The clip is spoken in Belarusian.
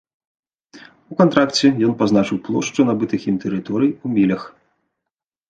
У кантракце ён пазначыў плошчу набытых ім тэрыторый у мілях.